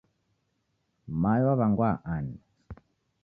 Mayo waw'angwa ani?